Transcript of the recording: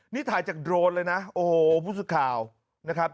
นี่ถ่ายจากโดรนเลยนะโอ้โหผู้สื่อข่าวนะครับ